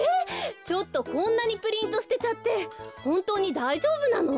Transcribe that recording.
ちょっとこんなにプリントすてちゃってほんとうにだいじょうぶなの？